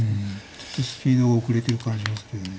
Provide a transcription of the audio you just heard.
ちょっとスピードが遅れてる感じはするよね